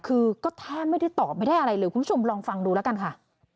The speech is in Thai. คือถ้าไม่ได้ตอบไม่ได้อะไรหรือคุณผู้ชมลองฟังดูละกันค่ะ